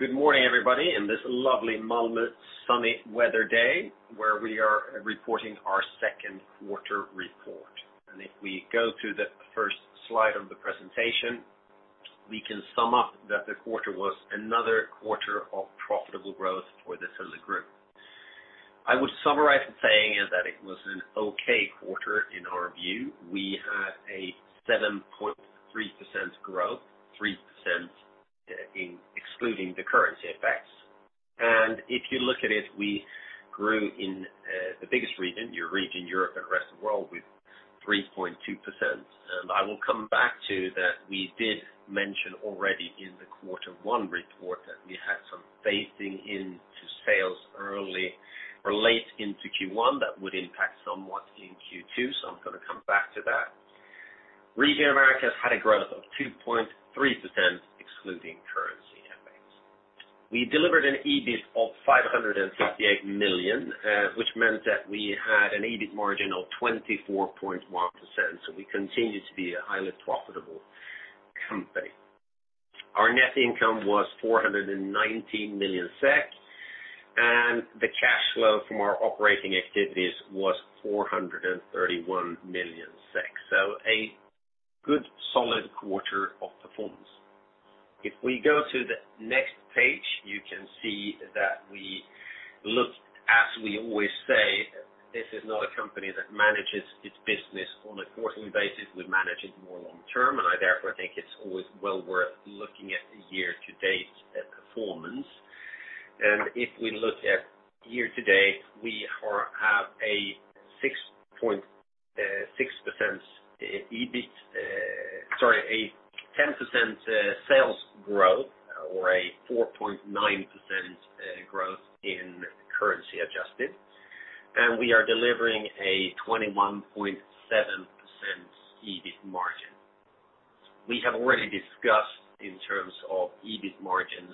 Good morning, everybody, in this lovely Malmö sunny weather day where we are reporting our second quarter report. If we go to the first slide of the presentation, we can sum up that the quarter was another quarter of profitable growth for the Thule Group. I would summarize it saying it was an okay quarter in our view. We had a 7.3% growth, 3% excluding the currency effects. If you look at it, we grew in the biggest region, Region Europe and Rest of World with 3.2%. I will come back to that we did mention already in the Q1 report that we had some phasing into sales early or late into Q1 that would impact somewhat in Q2, so I'm going to come back to that. Region Americas had a growth of 2.3% excluding currency effects. We delivered an EBIT of 558 million, which meant that we had an EBIT margin of 24.1%, so we continue to be a highly profitable company. Our net income was 419 million SEK, and the cash flow from our operating activities was 431 million SEK. A good solid quarter of performance. If we go to the next page, you can see that we look, as we always say, this is not a company that manages its business on a quarterly basis. We manage it more long-term. I therefore think it's always well worth looking at the year-to-date performance. If we look at year-to-date, we have a 6.6% EBIT. Sorry, a 10% sales growth or a 4.9% growth in currency-adjusted, we are delivering a 21.7% EBIT margin. We have already discussed in terms of EBIT margins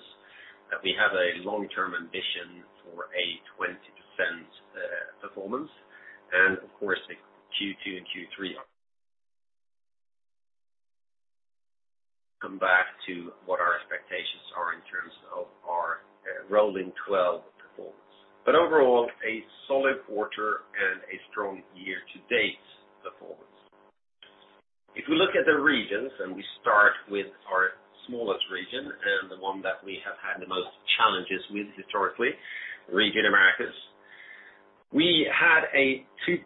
that we have a long-term ambition for a 20% performance. Of course the Q2 and Q3 are. Come back to what our expectations are in terms of our rolling 12 performance. Overall, a solid quarter and a strong year-to-date performance. If we look at the regions, we start with our smallest region and the one that we have had the most challenges with historically, Region Americas. We had a 2%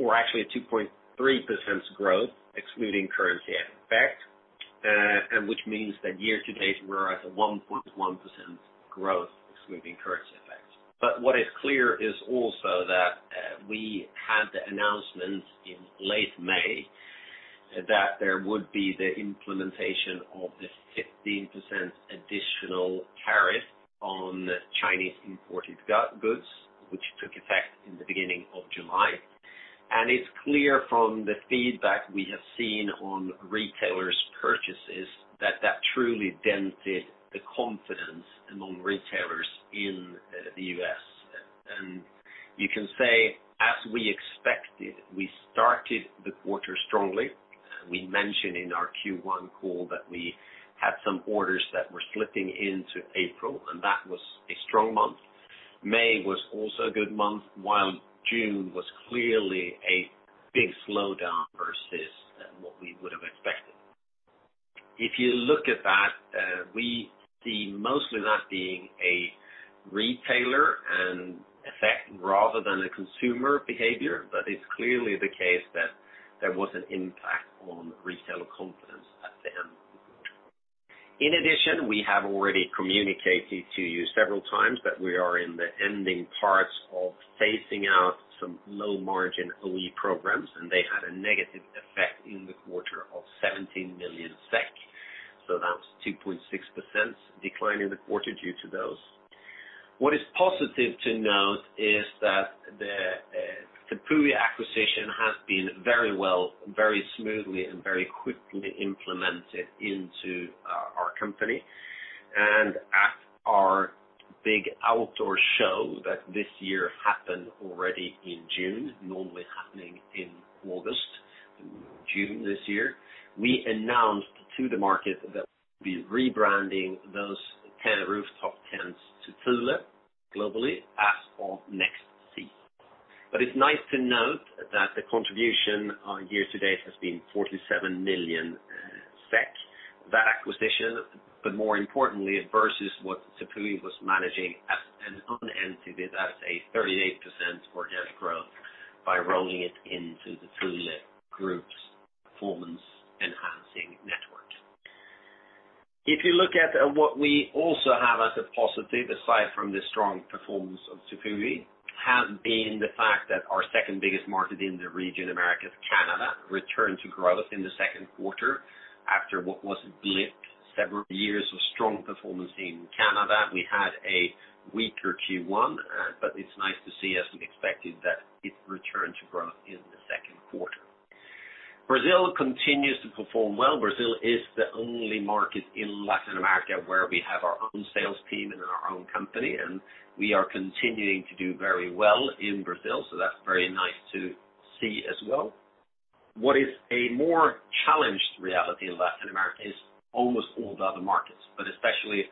or actually a 2.3% growth excluding currency effect, which means that year-to-date we're at a 1.1% growth excluding currency effect. What is clear is also that, we had the announcement in late May that there would be the implementation of the 15% additional tariff on Chinese imported goods, which took effect in the beginning of July. It's clear from the feedback we have seen on retailers' purchases that that truly dented the confidence among retailers in the U.S. You can say, as we expected, we started the quarter strongly. We mentioned in our Q1 call that we had some orders that were slipping into April, and that was a strong month. May was also a good month, while June was clearly a big slowdown versus what we would have expected. If you look at that, we see mostly that being a retailer effect rather than a consumer behavior, it's clearly the case that there was an impact on retailer confidence at the end. In addition, we have already communicated to you several times that we are in the ending parts of phasing out some low-margin OE programs. They had a negative effect in the quarter of 17 million SEK. That was a 2.6% decline in the quarter due to those. What is positive to note is that the Tepui acquisition has been very well, very smoothly, and very quickly implemented into our company. At our big outdoor show that this year happened already in June, normally happening in August, June this year, we announced to the market that we'll be rebranding those 10 Roof Top Tents to Thule globally as of next season. It's nice to note that the contribution on year-to-date has been 47 million SEK. That acquisition, more importantly versus what Tepui was managing at an underlying EBITDA at a 38% organic growth by rolling it into the Thule Group's performance enhancing network. If you look at what we also have as a positive, aside from the strong performance of Tepui, has been the fact that our second biggest market in the region, Americas, Canada, returned to growth in the second quarter after what was blip several years of strong performance in Canada. We had a weaker Q1, but it's nice to see as we expected that it returned to growth in the second quarter. Brazil continues to perform well. Brazil is the only market in Latin America where we have team and in our own company. We are continuing to do very well in Brazil. That's very nice to see as well. What is a more challenged reality in Latin America is almost all the other markets, especially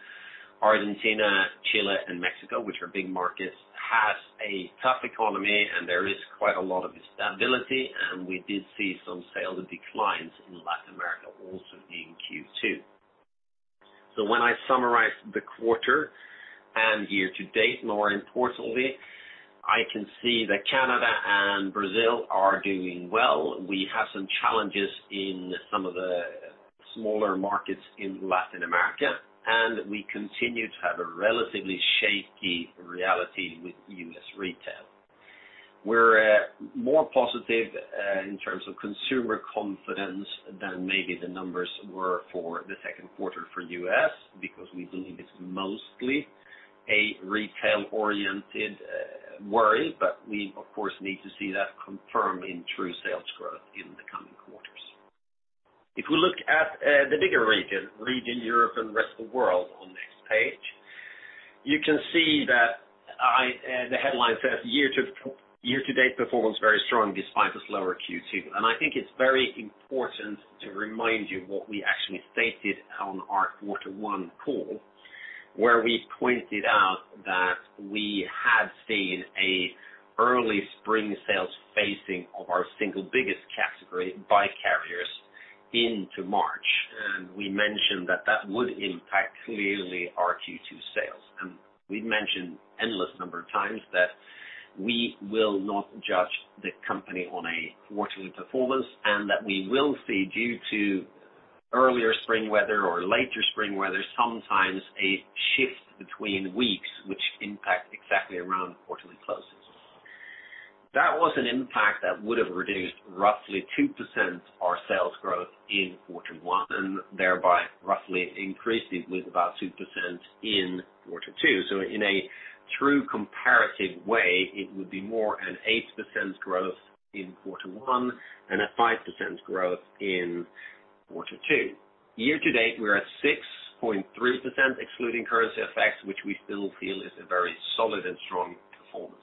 Argentina, Chile, and Mexico, which are big markets, have a tough economy. There is quite a lot of instability. We did see some sales declines in Latin America also in Q2. When I summarize the quarter and year-to-date, more importantly, I can see that Canada and Brazil are doing well. We have some challenges in some of the smaller markets in Latin America. We continue to have a relatively shaky reality with U.S. retail. We're more positive in terms of consumer confidence than maybe the numbers were for the second quarter for U.S. because we believe it's mostly a retail-oriented worry. We, of course, need to see that confirmed in true sales growth in the coming quarters. If we look at the bigger region, Europe and rest of world on next page, you can see that the headline says year-to-date performance very strong despite a slower Q2. I think it's very important to remind you what we actually stated on our quarter one call, where we pointed out that we have seen a early spring sales phasing of our single biggest category, bike carriers, into March. We mentioned that that would impact clearly our Q2 sales. We mentioned endless number of times that we will not judge the company on a quarterly performance. We will see, due to earlier spring weather or later spring weather, sometimes a shift between weeks which impact exactly around quarterly closes. That was an impact that would have reduced roughly 2% our sales growth in quarter one, and thereby roughly increased it with about 2% in quarter two. In a true comparative way, it would be more an 8% growth in quarter one and a 5% growth in quarter two. Year-to-date, we're at 6.3%, excluding currency effects, which we still feel is a very solid and strong performance.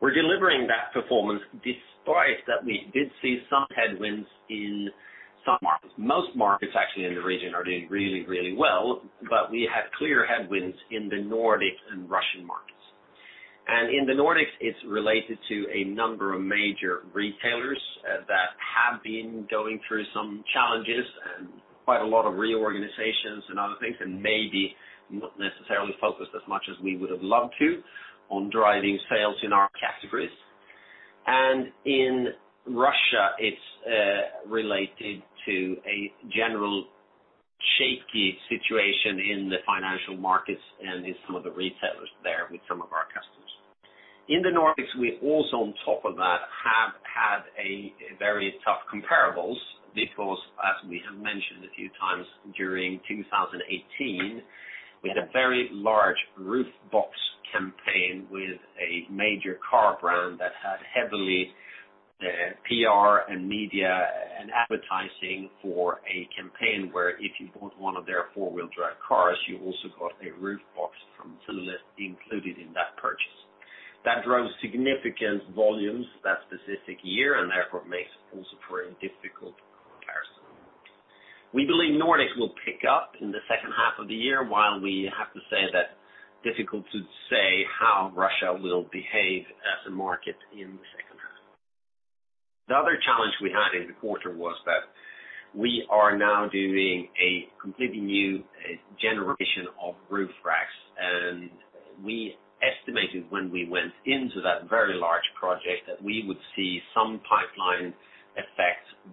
We're delivering that performance despite that we did see some headwinds in some markets. Most markets actually in the region are doing really, really well, but we have clear headwinds in the Nordic and Russian markets. In the Nordics, it's related to a number of major retailers that have been going through some challenges and quite a lot of reorganizations and other things, and maybe not necessarily focused as much as we would have loved to on driving sales in our categories. In Russia, it's related to a general shaky situation in the financial markets and in some of the retailers there with some of our customers. In the Nordics, we also on top of that, have had a very tough comparables because as we have mentioned a few times during 2018, we had a very large roof box campaign with a major car brand that had heavily PR and media and advertising for a campaign where if you bought one of their four-wheel drive cars, you also got a roof box from Thule included in that purchase. That drove significant volumes that specific year, therefore makes also a very difficult comparison. We believe Nordics will pick up in the second half of the year, while we have to say that difficult to say how Russia will behave as a market in the second half. The other challenge we had in the quarter was that we are now doing a completely new generation of roof racks. We estimated when we went into that very large project that we would see some pipeline effect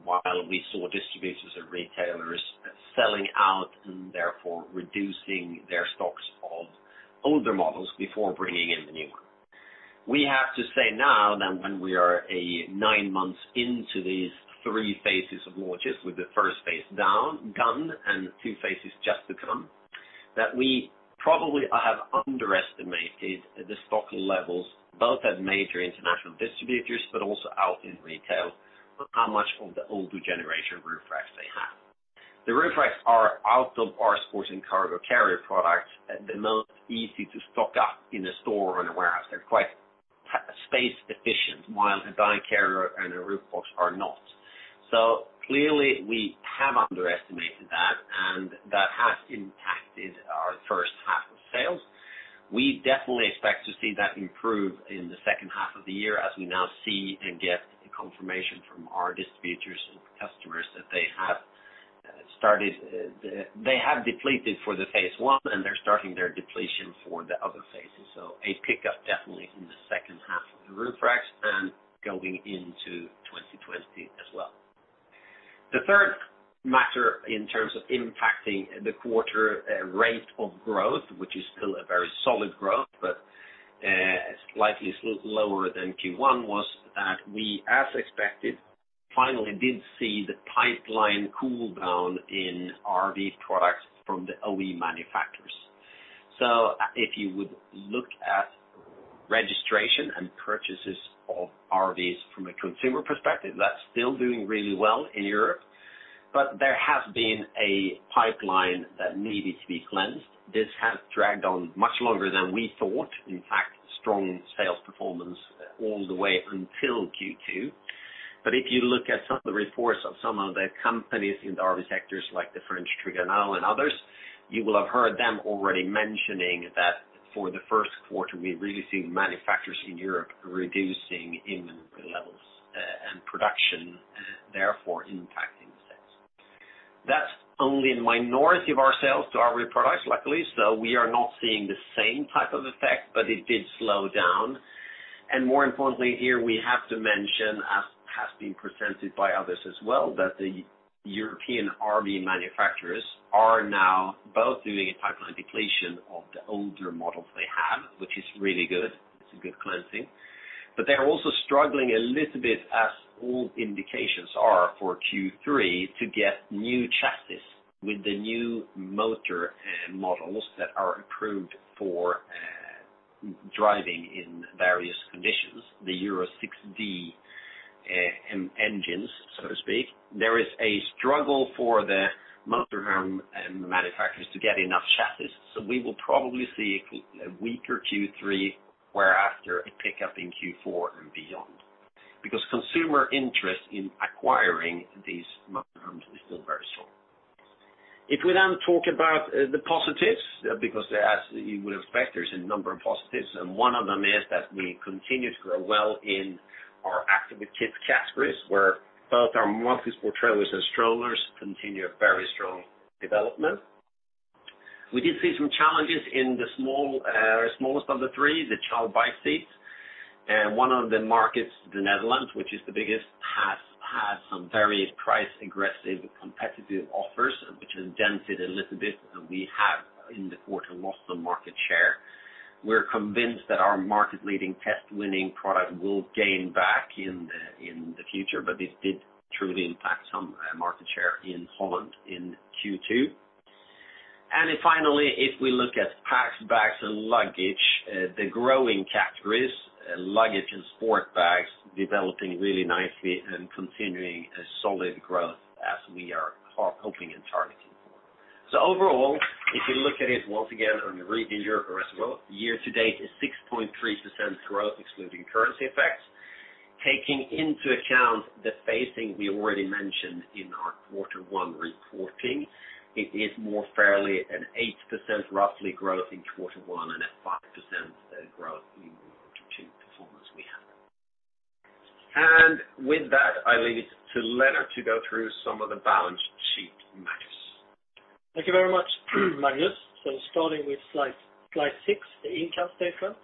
while we saw distributors and retailers selling out and therefore reducing their stocks of older models before bringing in the new one. We have to say now that when we are nine months into these three phases of launches, with the first phase done and two phases just to come, that we probably have underestimated the stock levels, both at major international distributors, but also out in retail, how much of the older generation roof racks they have. The roof racks are out of our Sport&Cargo Carriers products, the most easy to stock up in a store or in a warehouse. They're quite space efficient, while the bike carrier and the roof box are not. Clearly, we have underestimated that has impacted our first half of sales. We definitely expect to see that improve in the second half of the year as we now see and get confirmation from our distributors and customers that they have depleted for the phase one, and they're starting their depletion for the other phases. A pickup definitely in the second half of the roof racks and going into 2020 as well. The third matter in terms of impacting the quarter rate of growth, which is still a very solid growth, but slightly lower than Q1, was that we, as expected, finally did see the pipeline cool down in RV products from the OE manufacturers. If you would look at registration and purchases of RVs from a consumer perspective. That's still doing really well in Europe, but there has been a pipeline that needed to be cleansed. This has dragged on much longer than we thought. In fact, strong sales performance all the way until Q2. If you look at some of the reports of some of the companies in the RV sectors like the French Trigano and others, you will have heard them already mentioning that for the first quarter, we're really seeing manufacturers in Europe reducing inventory levels and production, therefore impacting sales. That's only a minority of our sales to RV products luckily, so we are not seeing the same type of effect, but it did slow down, and more importantly here, we have to mention, as has been presented by others as well, that the European RV manufacturers are now both doing a pipeline depletion of the older models they have, which is really good. It's a good cleansing, but they're also struggling a little bit as all indications are for Q3 to get new chassis with the new motor and models that are approved for driving in various conditions, the Euro 6d engines, so to speak. There is a struggle for the motor home manufacturers to get enough chassis. We will probably see a weaker Q3 whereafter a pickup in Q4 and beyond because consumer interest in acquiring these motor homes is still very strong. If we then talk about the positives because as you would expect, there's a number of positives, and one of them is that we continue to grow well in our active kids categories, where both our multi-sport trailers and strollers continue a very strong development. We did see some challenges in the smallest of the three, the child bike seats. One of the markets, the Netherlands, which is the biggest, has had some very price-aggressive competitive offers, which has dented a little bit, and we have in the quarter lost some market share. We're convinced that our market-leading, test-winning product will gain back in the future, but this did truly impact some market share in Holland in Q2. Then finally, if we look at packs, bags, and luggage, the growing categories, luggage and sport bags developing really nicely and continuing a solid growth as we are hoping and targeting for. Overall, if you look at it once again on a regional progress, year to date is 6.3% growth excluding currency effects. Taking into account the phasing we already mentioned in our quarter one reporting, it is more fairly an 8% roughly growth in quarter one and a 5% growth in quarter two performance we have. With that, I leave it to Lennart to go through some of the balance sheet matters. Thank you very much, Magnus. Starting with slide six, the income statement.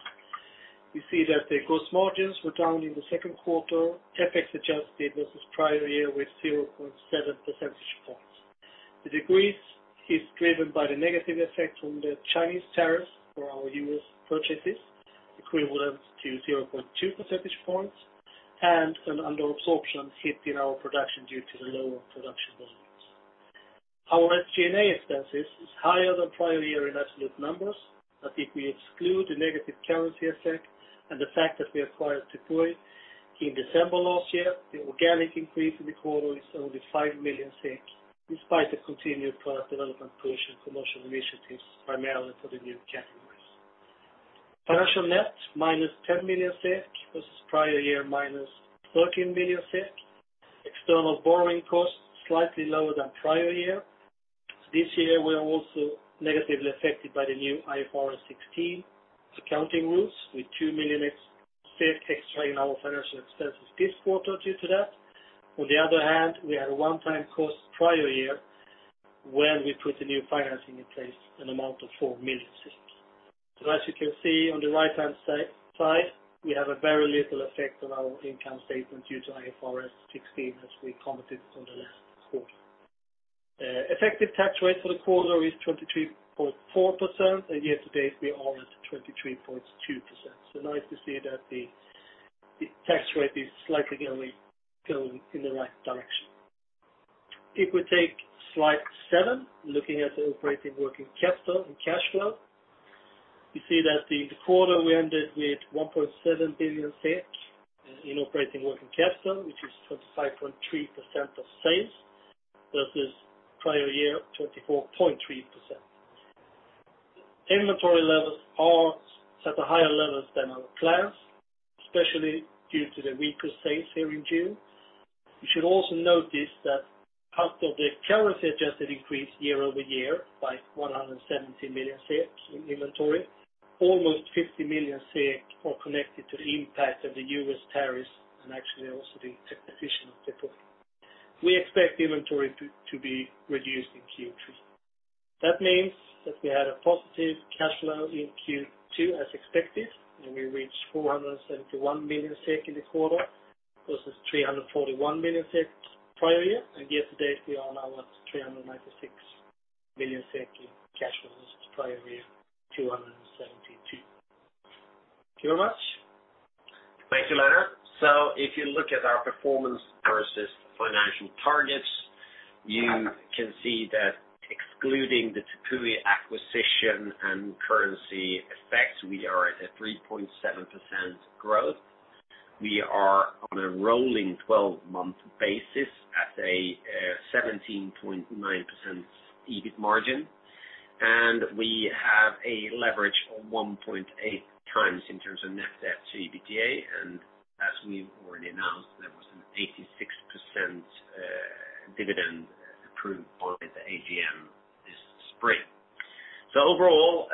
You see that the gross margins were down in the second quarter, FX adjusted versus prior year with 0.7 percentage points. The decrease is driven by the negative effect from the Chinese tariffs for our U.S. purchases, equivalent to 0.2 percentage points, and an under absorption hit in our production due to the lower production volumes. Our SG&A expenses is higher than prior year in absolute numbers, but if we exclude the negative currency effect and the fact that we acquired Tepui in December last year, the organic increase in the quarter is only 5 million, despite the continued product development push and promotional initiatives primarily for the new categories. Financial net, minus 10 million SEK versus prior year minus 13 million SEK. External borrowing costs, slightly lower than prior year. This year, we are also negatively affected by the new IFRS 16 accounting rules with 2 million extra in our financial expenses this quarter due to that. On the other hand, we had a one-time cost prior year when we put a new financing in place, an amount of 4 million. As you can see on the right-hand side, we have a very little effect on our income statement due to IFRS 16 as we commented on the last quarter. Effective tax rate for the quarter is 23.4%, and year to date we are at 23.2%. Nice to see that the tax rate is slightly going in the right direction. If we take slide seven, looking at the operating working capital and cash flow. You see that in the quarter we ended with 1.7 billion in operating working capital, which is 25.3% of sales versus prior year, 24.3%. Inventory levels are at higher levels than our plans, especially due to the weaker sales here in June. You should also notice that out of the currency-adjusted increase year-over-year by 170 million in inventory, almost 50 million are connected to the impact of the U.S. tariffs and actually also the acquisition of Tepui. We expect inventory to be reduced in Q3. That means that we had a positive cash flow in Q2 as expected, and we reached 471 million this quarter versus 341 million prior year, and year to date we are now at 396 million in cash versus prior year, 272 million. Thank you very much. Thank you, Lennart. If you look at our performance versus financial targets, you can see that excluding the Tepui acquisition and currency effects, we are at a 3.7% growth. We are on a rolling 12-month basis at a 17.9% EBIT margin, and we have a leverage of 1.8 times in terms of net debt to EBITDA. As we already announced, there was an 86% dividend approved by the AGM this spring. Overall,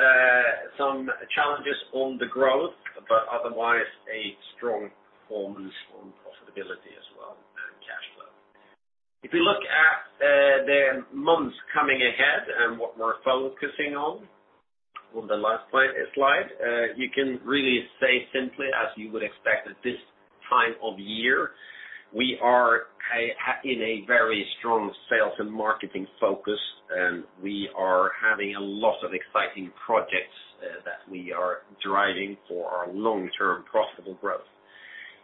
some challenges on the growth, but otherwise a strong performance on profitability as well and cash flow. If you look at the months coming ahead and what we're focusing on the last slide, you can really say simply as you would expect at this time of year, we are in a very strong sales and marketing focus. We are having a lot of exciting projects that we are driving for our long-term profitable growth.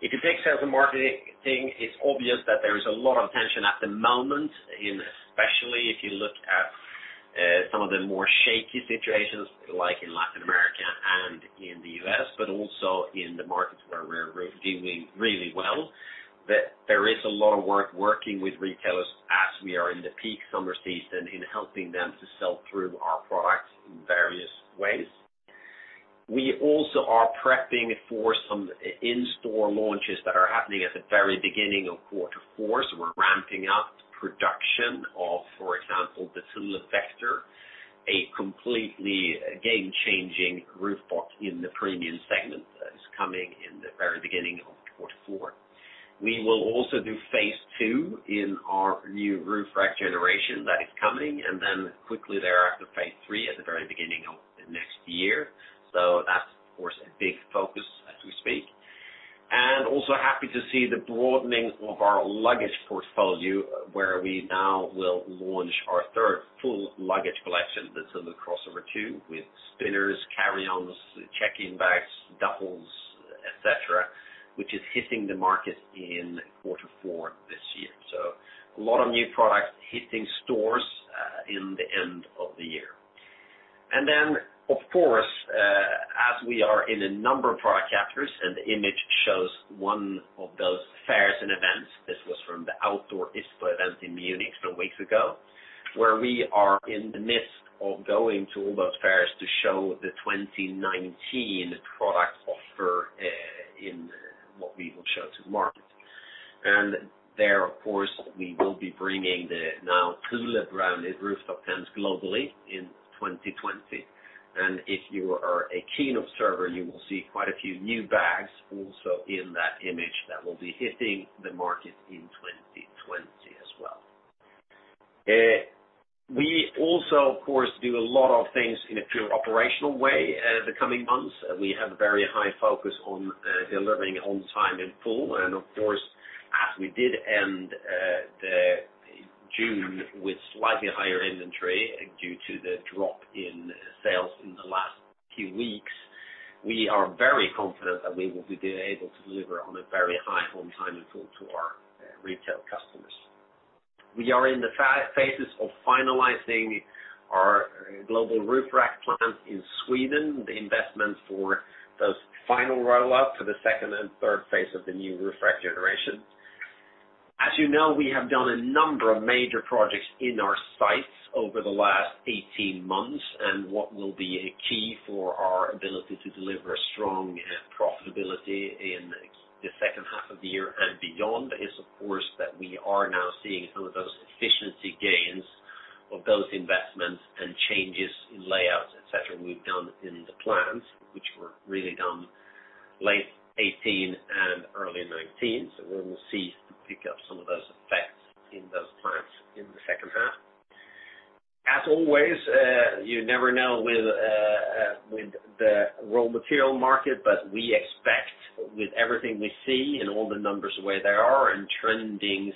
If you take sales and marketing, it's obvious that there is a lot of attention at the moment, especially if you look at some of the more shaky situations like in Latin America and in the U.S., but also in the markets where we're doing really well, that there is a lot of work working with retailers as we are in the peak summer season in helping them to sell through our products in various ways. We also are prepping for some in-store launches that are happening at the very beginning of quarter four. We're ramping up production of, for example, the Thule Vector, a completely game-changing roof box in the premium segment that is coming in the very beginning of quarter four. We will also do phase 2 in our new roof rack generation that is coming, quickly thereafter, phase 3 at the very beginning of next year. That's of course a big focus as we speak. Also happy to see the broadening of our luggage portfolio, where we now will launch our third full luggage collection, the Thule Crossover 2, with spinners, carry-ons, check-in bags, duffels, et cetera, which is hitting the market in quarter four this year. A lot of new products hitting stores in the end of the year. Of course, as we are in a number of product chapters, the image shows one of those fairs and events. This was from the OutDoor by ISPO event in Munich some weeks ago, where we are in the midst of going to all those fairs to show the 2019 product offer in what we will show to the market. There, of course, we will be bringing the now Thule branded Roof Top Tents globally in 2020. If you are a keen observer, you will see quite a few new bags also in that image that will be hitting the market in 2020 as well. We also, of course, do a lot of things in a pure operational way the coming months. We have a very high focus on delivering on time in full. As we did end June with slightly higher inventory due to the drop in sales in the last few weeks, we are very confident that we will be able to deliver on a very high on time in full to our retail customers. We are in the phases of finalizing our global roof rack plant in Sweden, the investment for those final roll up for the second and third phase of the new roof rack generation. As you know, we have done a number of major projects in our sites over the last 18 months, what will be a key for our ability to deliver strong profitability in the second half of the year and beyond is of course, that we are now seeing some of those efficiency gains of those investments and changes in layouts, et cetera, we've done in the plants, which were really done late 2018 and early 2019. We will see some pick up some of those effects in those plants in the second half. As always, you never know with the raw material market, we expect with everything we see and all the numbers where they are and trending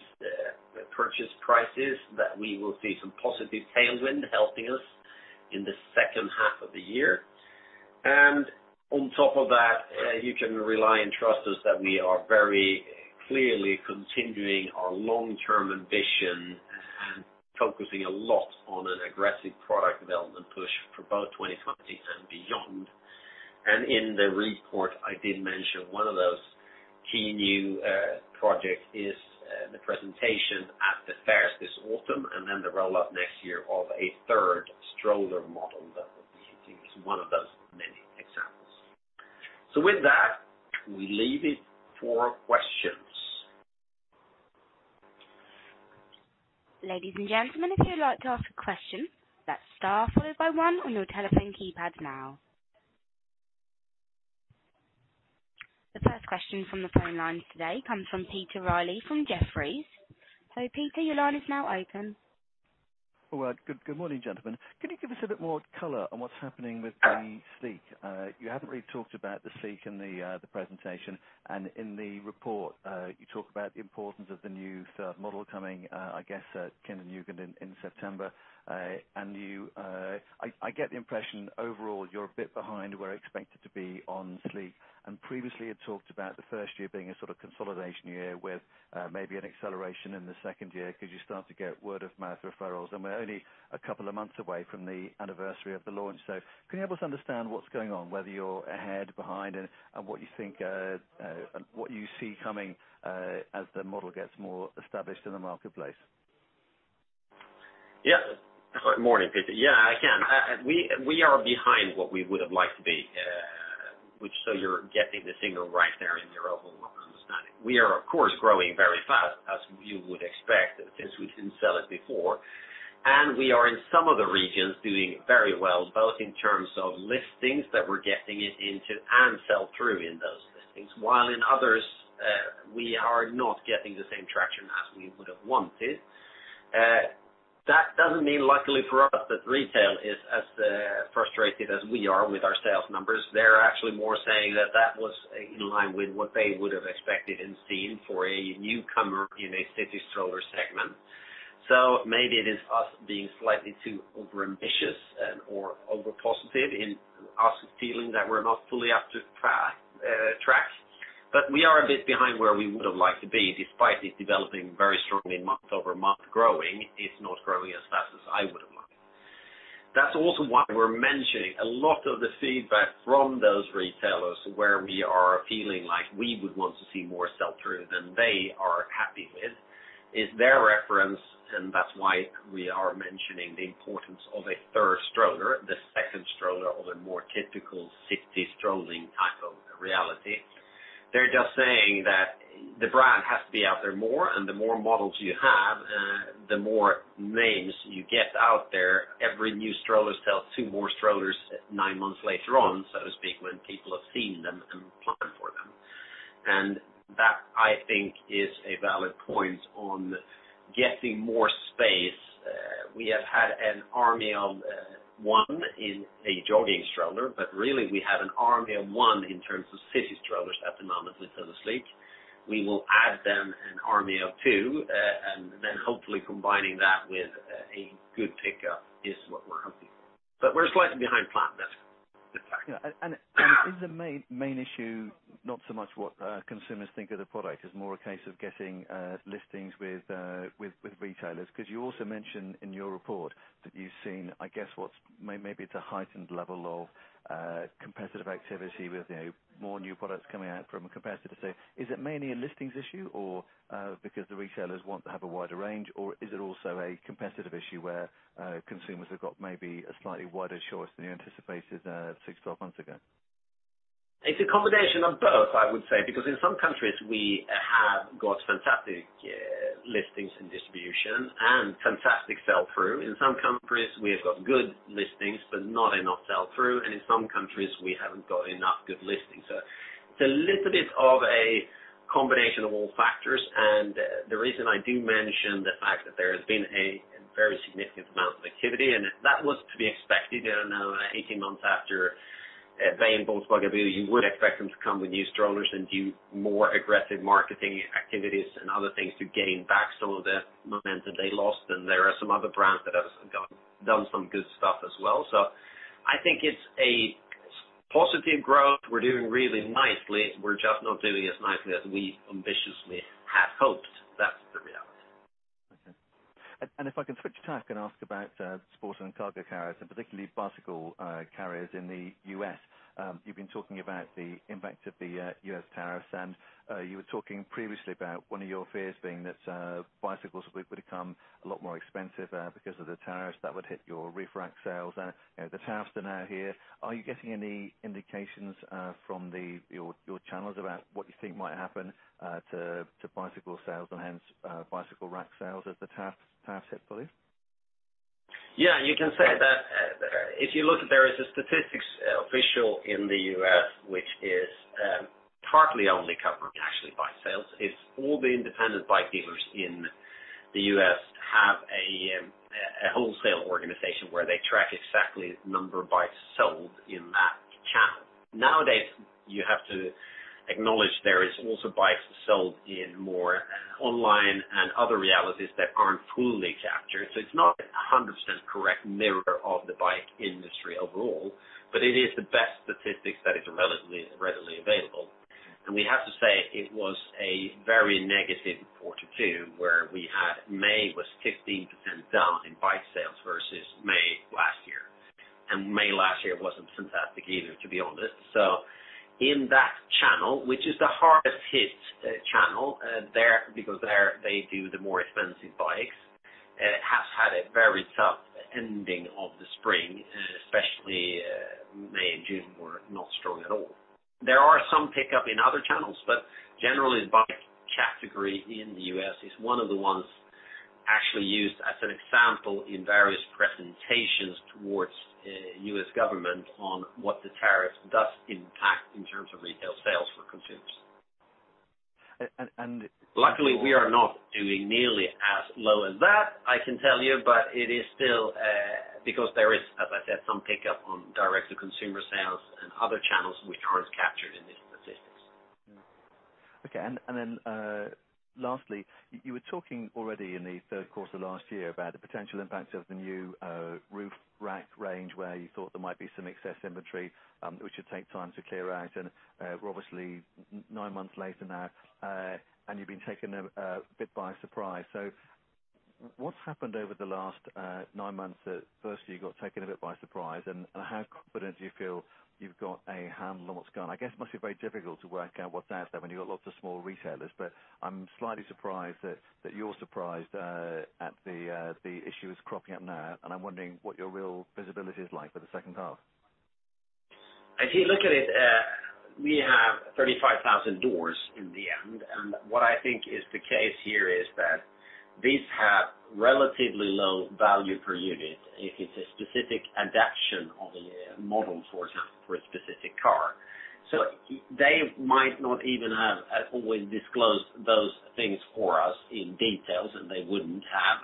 purchase prices, that we will see some positive tailwind helping us in the second half of the year. On top of that, you can rely and trust us that we are very clearly continuing our long-term ambition and focusing a lot on an aggressive product development push for both 2020 and beyond. In the report, I did mention one of those key new project is the presentation at the fairs this autumn, then the roll-up next year of a third stroller model that will be hitting. It's one of those many examples. With that, we leave it for questions. Ladies and gentlemen, if you'd like to ask a question, that's star followed by one on your telephone keypad now. The first question from the phone lines today comes from Peter Reilly from Jefferies. Peter, your line is now open. Good morning, gentlemen. Can you give us a bit more color on what's happening with the Sleek? You haven't really talked about the Sleek in the presentation and in the report. You talk about the importance of the new third model coming, I guess, at Kind + Jugend in September. I get the impression overall, you're a bit behind where expected to be on Sleek, and previously you talked about the first year being a sort of consolidation year with maybe an acceleration in the second year because you start to get word-of-mouth referrals, and we're only a couple of months away from the anniversary of the launch. Can you help us understand what's going on, whether you're ahead, behind, and what you see coming, as the model gets more established in the marketplace? Good morning, Peter. I can. We are behind what we would've liked to be, you're getting the signal right there in your overall understanding. We are, of course, growing very fast, as you would expect, since we didn't sell it before. We are, in some of the regions, doing very well, both in terms of listings that we're getting it into and sell-through in those listings, while in others, we are not getting the same traction as we would have wanted. That doesn't mean, luckily for us, that retail is as frustrated as we are with our sales numbers. They're actually more saying that that was in line with what they would've expected and seen for a newcomer in a city stroller segment. Maybe it is us being slightly too overambitious and/or over-positive in us feeling that we're not fully up to track. We are a bit behind where we would've liked to be. Despite it developing very strongly month-over-month growing, it's not growing as fast as I would've liked. That's also why we're mentioning a lot of the feedback from those retailers where we are feeling like we would want to see more sell-through than they are happy with, is their reference, and that's why we are mentioning the importance of a third stroller, the second stroller of a more typical city strolling type of reality. They're just saying that the brand has to be out there more, and the more models you have, the more names you get out there. Every new stroller sells two more strollers nine months later on, so to speak, when people have seen them and plan for them. That, I think, is a valid point on getting more space. We have had an army of one in a jogging stroller, but really we have an army of one in terms of city strollers at the moment with the Sleek. We will add them an army of two, hopefully combining that with a good pickup is what we're hoping for. We're slightly behind plan. That's the fact. Is the main issue not so much what consumers think of the product? Is more a case of getting listings with retailers? You also mentioned in your report that you've seen, I guess, what's maybe a heightened level of competitive activity with more new products coming out from a competitor. Is it mainly a listings issue or because the retailers want to have a wider range, or is it also a competitive issue where consumers have got maybe a slightly wider choice than you anticipated 6, 12 months ago? It's a combination of both, I would say, because in some countries we have got fantastic listings and distribution and fantastic sell-through. In some countries, we have got good listings, but not enough sell-through, and in some countries, we haven't got enough good listings. It's a little bit of a combination of all factors, and the reason I do mention the fact that there has been a very significant amount of activity, and that was to be expected. 18 months after buying Bugaboo, you would expect them to come with new strollers and do more aggressive marketing activities and other things to gain back some of the momentum they lost than there are some other brands that have done some good stuff as well. I think it's a positive growth. We're doing really nicely. We're just not doing as nicely as we ambitiously had hoped. That's the reality. Okay. If I can switch tack and ask about Sport&Cargo Carriers, and particularly bicycle carriers in the U.S. You've been talking about the impact of the U.S. tariffs, and you were talking previously about one of your fears being that bicycles would become a lot more expensive because of the tariffs that would hit your roof rack sales. The tariffs are now here. Are you getting any indications from your channels about what you think might happen to bicycle sales and hence bicycle rack sales as the tariffs hit, Thule? You can say that if you look, there is a statistics official in the U.S. which is partly only covering actually bike sales. It's all the independent bike dealers in the U.S. have a wholesale organization where they track exactly the number of bikes sold in that channel. Nowadays, you have to acknowledge there is also bikes sold in more online and other realities that aren't fully captured. It's not 100% correct mirror of the bike industry overall, but it is the best statistics that is relatively readily available. We have to say it was a very negative Q2 where we had May was 15% down in bike sales versus May last year. May last year wasn't fantastic either, to be honest. In that channel, which is the hardest hit channel, because there they do the more expensive bikes, it has had a very tough ending of the spring, especially May and June were not strong at all. There are some pickup in other channels, but generally the bike category in the U.S. is one of the ones actually used as an example in various presentations towards U.S. government on what the tariffs does impact in terms of retail sales for consumers. Luckily, we are not doing nearly as low as that, I can tell you, but it is still because there is, as I said, some pickup on direct-to-consumer sales and other channels which aren't captured in these statistics. Okay. Lastly, you were talking already in the third quarter last year about the potential impact of the new roof rack range, where you thought there might be some excess inventory, which would take time to clear out. We're obviously 9 months later now, and you've been taken a bit by surprise. What's happened over the last 9 months that firstly, you got taken a bit by surprise, and how confident do you feel you've got a handle on what's going on? I guess it must be very difficult to work out what's out there when you've got lots of small retailers, but I'm slightly surprised that you're surprised at the issues cropping up now, and I'm wondering what your real visibility is like for the second half. If you look at it, we have 35,000 doors in the end. What I think is the case here is that these have relatively low value per unit if it's a specific adaption of a model, for example, for a specific car. They might not even have always disclosed those things for us in details, and they wouldn't have.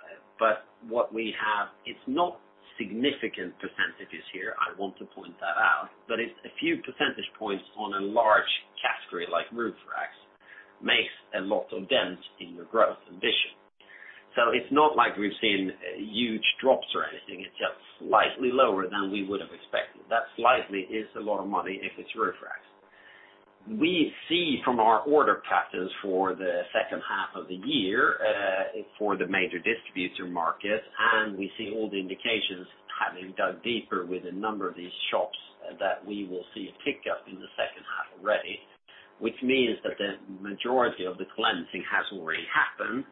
What we have, it's not significant percentages here, I want to point that out. But it's a few percentage points on a large category like roof racks, makes a lot of dent in your growth ambition. It's not like we've seen huge drops or anything. It's just slightly lower than we would have expected. That slightly is a lot of money if it's roof racks. We see from our order patterns for the second half of the year for the major distributor markets, we see all the indications having dug deeper with a number of these shops, that we will see a pickup in the second half already. Which means that the majority of the cleansing has already happened.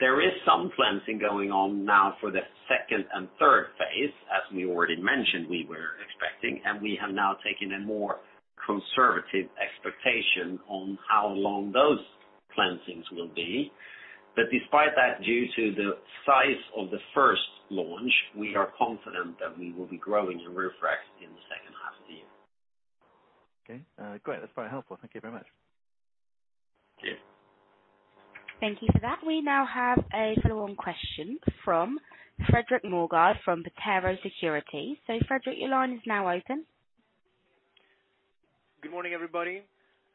There is some cleansing going on now for the second and third phase, as we already mentioned we were expecting, and we have now taken a more conservative expectation on how long those cleansings will be. Despite that, due to the size of the first launch, we are confident that we will be growing in roof racks in the second half of the year. Okay. Great. That's very helpful. Thank you very much. Okay. Thank you for that. We now have a follow-on question from Fredrik Moregård from Pareto Securities. Fredrik, your line is now open. Good morning, everybody.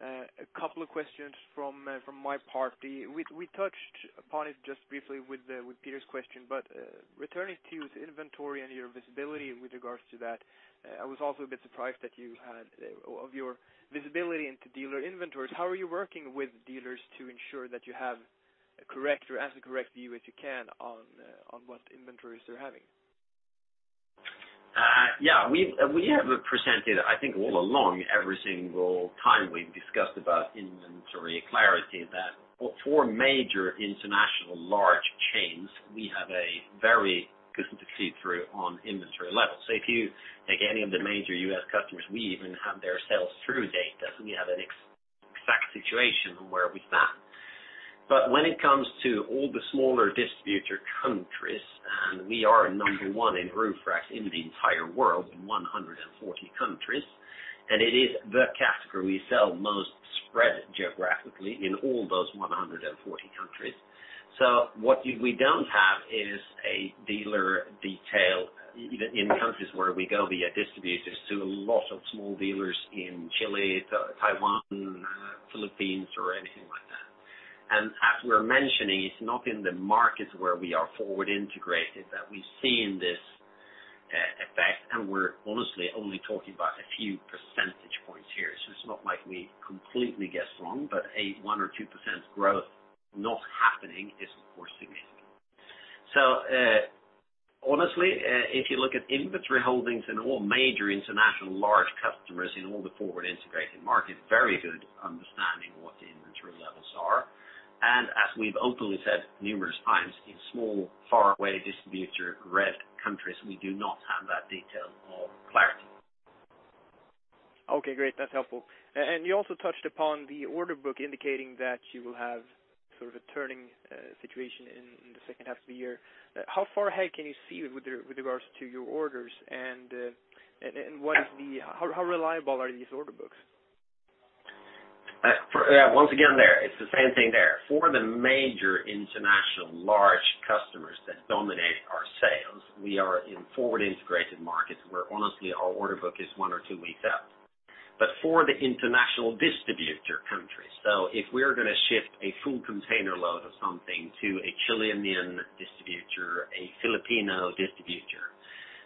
A couple of questions from my part. We touched upon it just briefly with Peter's question, returning to inventory and your visibility with regards to that, I was also a bit surprised of your visibility into dealer inventories. How are you working with dealers to ensure that you have a correct or as a correct view as you can on what inventories they're having? Yeah. We have presented, I think all along, every single time we've discussed about inventory clarity that for major international large chains, we have a very good see-through on inventory levels. If you take any of the major U.S. customers, we even have their sell-through data, so we have an exact situation on where we stand. When it comes to all the smaller distributor countries, we are number one in roof racks in the entire world, in 140 countries. It is the category we sell most spread geographically in all those 140 countries. What we don't have is a dealer detail in countries where we go via distributors to a lot of small dealers in Chile, Taiwan, Philippines or anything like that. As we're mentioning, it's not in the markets where we are forward integrated that we've seen this effect, and we're honestly only talking about a few percentage points here. It's not like we completely guessed wrong, but a 1% or 2% growth not happening is, of course, significant. Honestly, if you look at inventory holdings in all major international large customers in all the forward integrated markets, very good understanding what the inventory levels are. As we've openly said numerous times, in small, far away distributor-led countries, we do not have that detail or clarity. Okay, great. That's helpful. You also touched upon the order book indicating that you will have sort of a turning situation in the second half of the year. How far ahead can you see with regards to your orders and how reliable are these order books? Once again there, it's the same thing there. For the major international large customers that dominate our sales, we are in forward integrated markets where honestly, our order book is one or two weeks out. For the international distributor countries, if we're going to ship a full container load of something to a Chilean distributor, a Filipino distributor,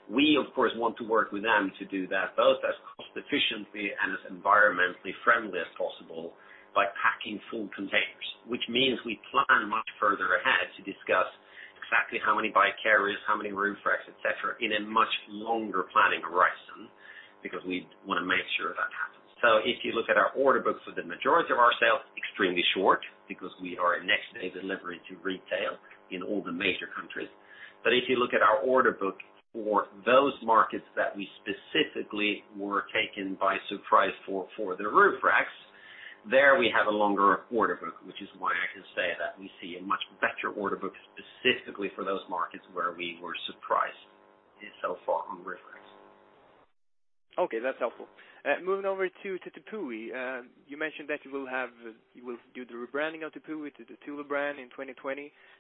we of course want to work with them to do that, both as cost efficiently and as environmentally friendly as possible by packing full containers, which means we plan much further ahead to discuss exactly how many bike carriers, how many roof racks, et cetera, in a much longer planning horizon, because we want to make sure that happens. If you look at our order books for the majority of our sales, extremely short, because we are a next day delivery to retail in all the major countries. If you look at our order book for those markets that we specifically were taken by surprise for the roof racks, there we have a longer order book, which is why I can say that we see a much better order book specifically for those markets where we were surprised so far on roof racks. Okay, that's helpful. Moving over to Tepui. You mentioned that you will do the rebranding of Tepui to the Thule brand in 2020.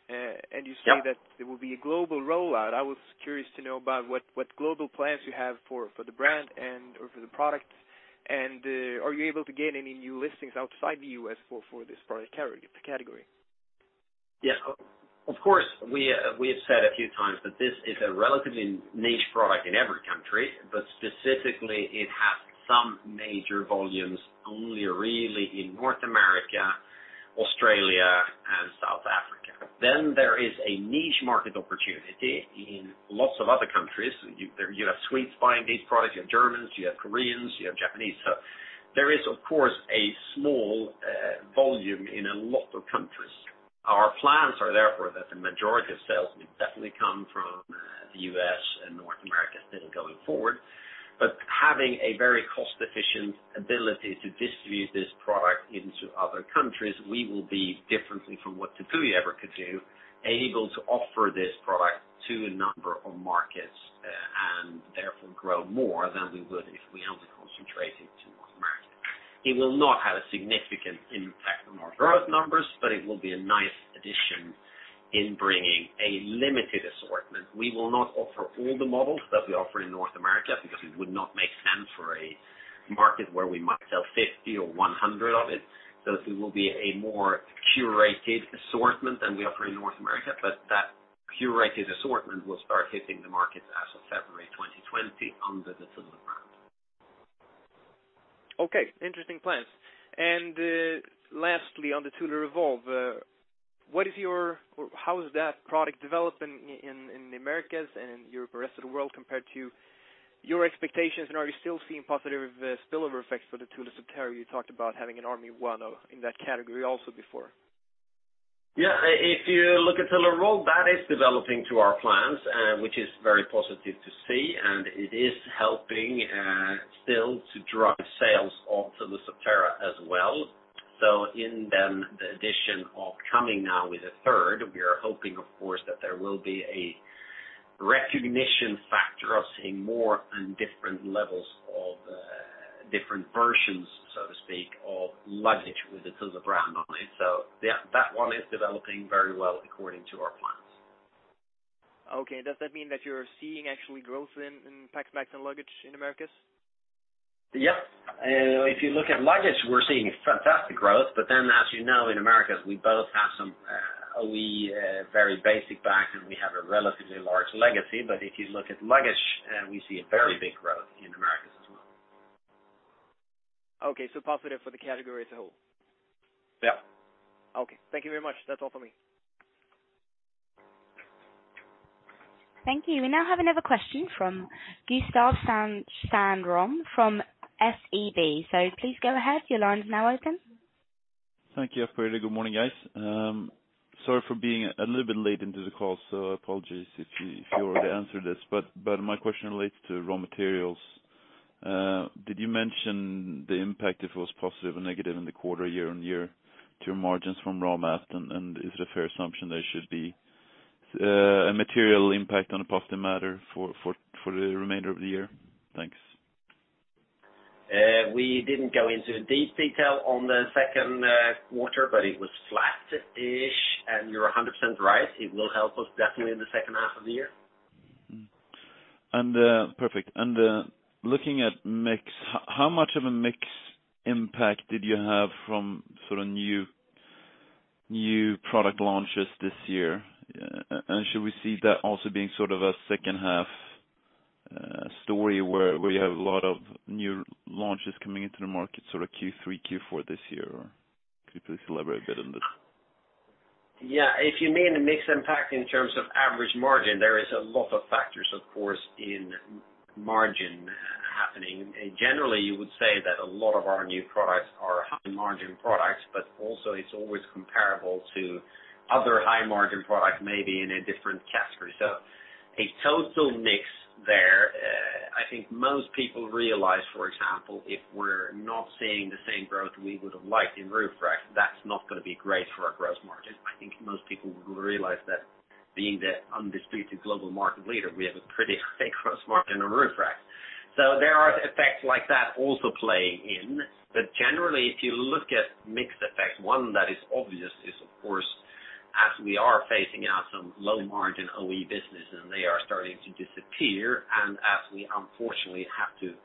Yeah. You say that it will be a global rollout. I was curious to know about what global plans you have for the brand or for the product. Are you able to gain any new listings outside the U.S. for this product category? Of course, we have said a few times that this is a relatively niche product in every country, but specifically it has some major volumes only really in North America, Australia, and South Africa. There is a niche market opportunity in lots of other countries. You have Swedes buying these products, you have Germans, you have Koreans, you have Japanese. There is, of course, a small volume in a lot of countries. Our plans are therefore that the majority of sales will definitely come from the U.S. and North America still going forward. Having a very cost-efficient ability to distribute this product into other countries, we will be differently from what Tepui ever could do, able to offer this product to a number of markets, and therefore grow more than we would if we only concentrated to North America. It will not have a significant impact on our growth numbers, but it will be a nice addition in bringing a limited assortment. We will not offer all the models that we offer in North America because it would not make sense for a market where we might sell 50 or 100 of it. It will be a more curated assortment than we offer in North America, but that curated assortment will start hitting the markets as of February 2020 under the Thule brand. Okay, interesting plans. Lastly, on the Thule Revolve, how is that product developing in the Americas and in Europe, rest of the world compared to your expectations? Are you still seeing positive spillover effects for the Thule Subterra you talked about having a number one in that category also before? Yeah. If you look at Thule Revolve, that is developing to our plans, which is very positive to see. It is helping still to drive sales of Thule Subterra as well. In then the addition of coming now with a third, we are hoping, of course, that there will be a recognition factor of seeing more and different levels of different versions, so to speak, of luggage with the Thule brand on it. That one is developing very well according to our plans. Okay. Does that mean that you're seeing actually growth in pack bags and luggage in Americas? Yep. If you look at luggage, we're seeing fantastic growth. Then as you know, in Americas, we both have some OE very basic bags, and we have a relatively large legacy. If you look at luggage, we see a very big growth in Americas as well. Okay. positive for the category as a whole. Yep. Okay. Thank you very much. That's all for me. Thank you. We now have another question from Gustav Sandström from SEB. Please go ahead. Your line is now open. Thank you. Good morning, guys. Sorry for being a little bit late into the call, so apologies if you already answered this. My question relates to raw materials. Did you mention the impact, if it was positive or negative in the quarter, year-on-year to your margins from raw materials? Is it a fair assumption there should be a material impact on a positive matter for the remainder of the year? Thanks. We didn't go into deep detail on the second quarter, but it was flat-ish, and you're 100% right, it will help us definitely in the second half of the year. Perfect. Looking at mix, how much of a mix impact did you have from sort of new product launches this year? Should we see that also being sort of a second half story where you have a lot of new launches coming into the market, sort of Q3, Q4 this year? Could you please elaborate a bit on this? Yeah. If you mean the mix impact in terms of average margin, there is a lot of factors, of course, in margin happening. Generally, you would say that a lot of our new products are high margin products, but also it's always comparable to other high margin products, maybe in a different category. A total mix there. I think most people realize, for example, if we're not seeing the same growth we would have liked in roof rack, that's not going to be great for our gross margin. I think most people realize that being the undisputed global market leader, we have a pretty thick gross margin in roof rack. There are effects like that also playing in. Generally, if you look at mix effect, one that is obvious is of course, as we are phasing out some low margin OE business and they are starting to disappear, and as we unfortunately have to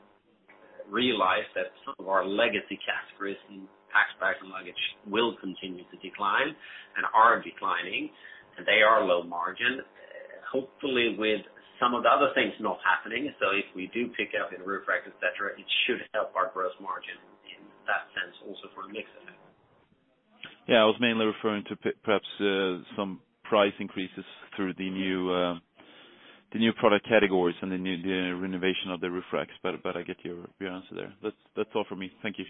realize that some of our legacy categories in packs, bags and luggage will continue to decline and are declining. They are low margin. Hopefully with some of the other things not happening, if we do pick up in roof rack, et cetera, it should help our gross margin in that sense also for a mix effect. Yeah, I was mainly referring to perhaps some price increases through the new product categories and the renovation of the roof racks. I get your answer there. That's all from me. Thank you.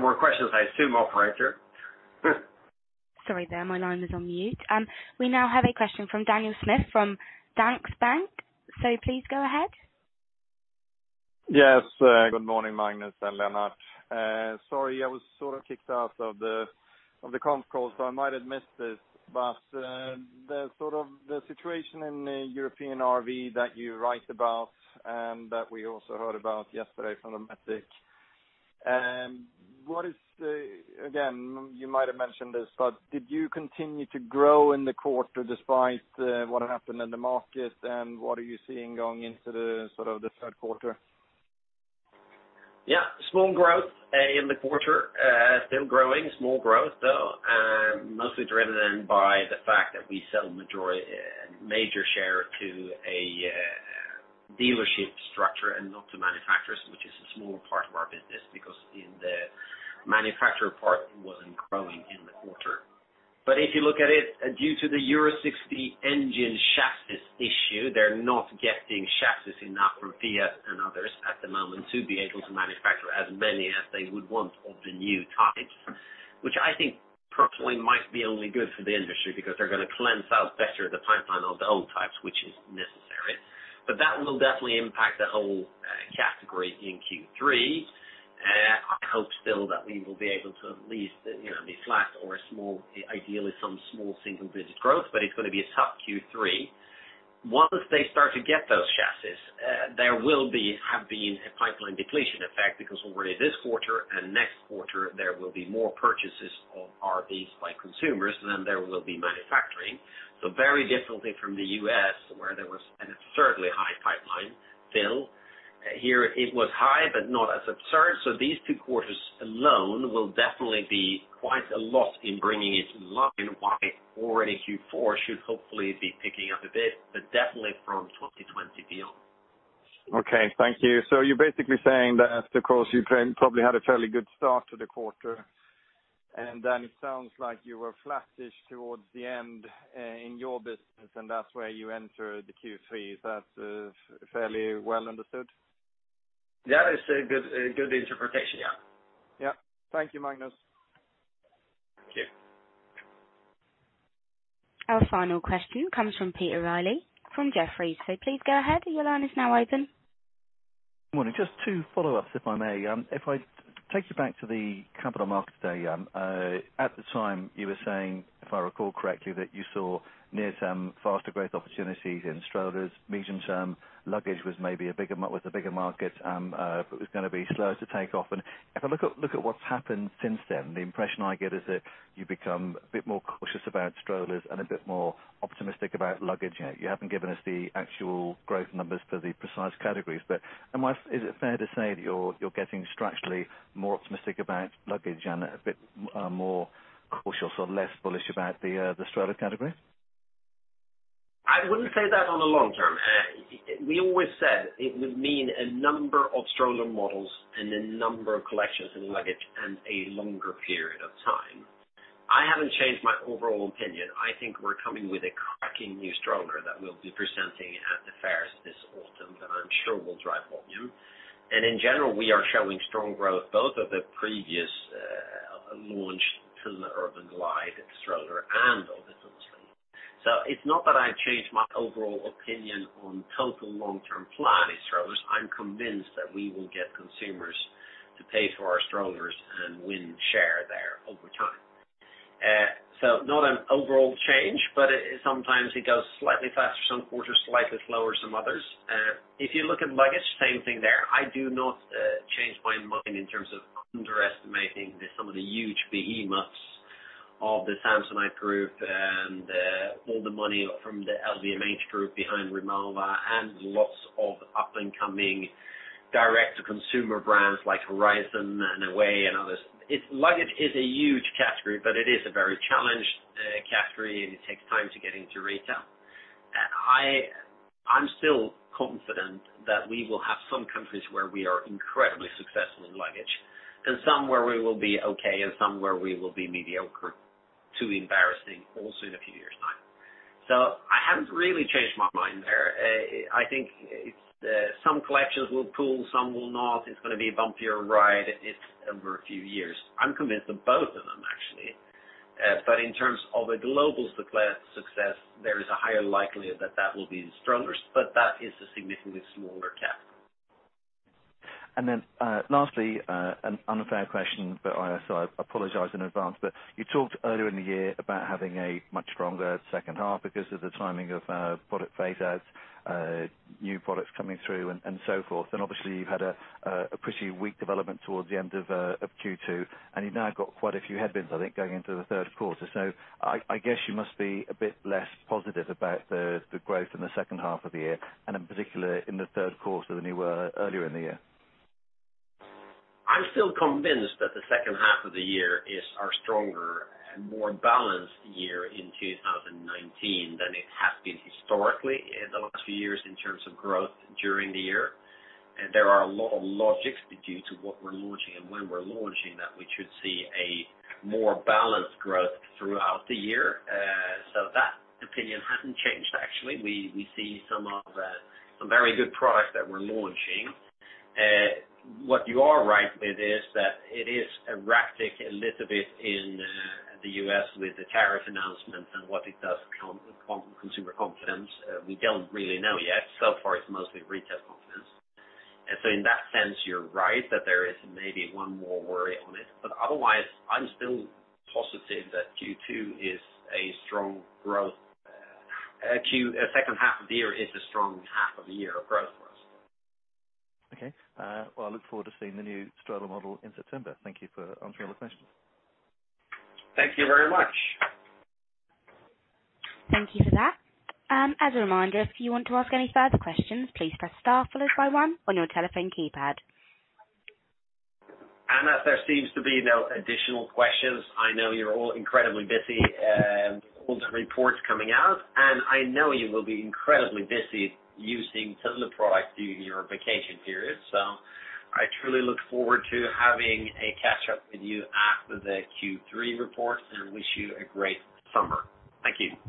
No more questions, I assume, operator. Sorry there, my line was on mute. We now have a question from Daniel Schmidt from Danske Bank. Please go ahead. Yes. Good morning, Magnus and Lennart. Sorry, I was sort of kicked out of the conf call, I might have missed this, the situation in the European RV that you write about and that we also heard about yesterday from Dometic, again, you might have mentioned this, did you continue to grow in the quarter despite what happened in the market? What are you seeing going into the third quarter? Yeah, small growth in the quarter. Still growing, small growth though, mostly driven in by the fact that we sell major share to a dealership structure and not to manufacturers, which is a small part of our business, because the manufacturer part wasn't growing in the quarter. If you look at it, due to the Euro 6d engine chassis issue, they're not getting chassis enough from Fiat and others at the moment to be able to manufacture as many as they would want of the new type, which I think personally might be only good for the industry because they're going to cleanse out better the pipeline of the old types, which is necessary. That will definitely impact the whole category in Q3. I hope still that we will be able to at least be flat or ideally some small single-digit growth, it's going to be a tough Q3. Once they start to get those chassis, there will have been a pipeline depletion effect because already this quarter and next quarter, there will be more purchases of RVs by consumers than there will be manufacturing. Very differently from the U.S., where there was an absurdly high pipeline fill. Here, it was high, but not as absurd. These two quarters alone will definitely be quite a lot in bringing it in line, while already Q4 should hopefully be picking up a bit, but definitely from 2020 beyond. Okay, thank you. You're basically saying that, of course, you probably had a fairly good start to the quarter, and then it sounds like you were flattish towards the end in your business, and that's where you enter the Q3. Is that fairly well understood? Yeah, it's a good interpretation. Yeah. Thank you, Magnus. Thank you. Our final question comes from Peter Reilly from Jefferies. Please go ahead, your line is now open. Morning. Just to follow up, if I may. If I take you back to the capital markets day, at the time you were saying, if I recall correctly, that you saw near-term faster growth opportunities in strollers, medium-term luggage was a bigger market, but was going to be slower to take off. If I look at what's happened since then, the impression I get is that you've become a bit more cautious about strollers and a bit more optimistic about luggage. You haven't given us the actual growth numbers for the precise categories, is it fair to say that you're getting structurally more optimistic about luggage and a bit more cautious or less bullish about the stroller category? I wouldn't say that on the long term. We always said it would mean a number of stroller models and a number of collections in luggage and a longer period of time. I haven't changed my overall opinion. I think we're coming with a cracking new stroller that we'll be presenting at the fairs this autumn that I'm sure will drive volume. In general, we are showing strong growth both of the previous launch Thule Urban Glide stroller and of the Toddler. It's not that I've changed my overall opinion on total long-term plan in strollers. I'm convinced that we will get consumers to pay for our strollers and win share there over time. Not an overall change, but sometimes it goes slightly faster, some quarters slightly slower, some others. If you look at luggage, same thing there. I do not change my mind in terms of underestimating some of the huge behemoths of the Samsonite Group and all the money from the LVMH Group behind RIMOWA and lots of up-and-coming direct-to-consumer brands like Horizn Studios and Away and others. Luggage is a huge category, but it is a very challenged category, and it takes time to get into retail. I'm still confident that we will have some countries where we are incredibly successful in luggage and some where we will be okay and some where we will be mediocre to embarrassing, all within a few years' time. I haven't really changed my mind there. I think some collections will pull, some will not. It's going to be a bumpier ride over a few years. I'm convinced of both of them, actually. In terms of a global success, there is a higher likelihood that that will be the strollers, but that is a significantly smaller cap. Lastly, an unfair question, I apologize in advance. You talked earlier in the year about having a much stronger second half because of the timing of product phase outs, new products coming through and so forth. Obviously you've had a pretty weak development towards the end of Q2, and you've now got quite a few headwinds, I think, going into the third quarter. I guess you must be a bit less positive about the growth in the second half of the year and in particular in the third quarter than you were earlier in the year. I'm still convinced that the second half of the year is our stronger and more balanced year in 2019 than it has been historically in the last few years in terms of growth during the year. There are a lot of logics due to what we're launching and when we're launching that we should see a more balanced growth throughout the year. That opinion hasn't changed, actually. We see some very good products that we're launching. What you are right with is that it is erratic a little bit in the U.S. with the tariff announcement and what it does to consumer confidence. We don't really know yet. Far, it's mostly retail confidence. In that sense, you're right that there is maybe one more worry on it. Otherwise, I'm still positive that the second half of the year is a strong half of the year of growth for us. Okay. Well, I look forward to seeing the new stroller model in September. Thank you for answering all the questions. Thank you very much. Thank you for that. As a reminder, if you want to ask any further questions, please press star followed by one on your telephone keypad. As there seems to be no additional questions, I know you're all incredibly busy with all the reports coming out, and I know you will be incredibly busy using Thule products through your vacation period. I truly look forward to having a catch up with you after the Q3 reports and wish you a great summer. Thank you.